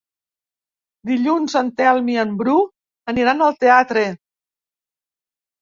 Dilluns en Telm i en Bru aniran al teatre.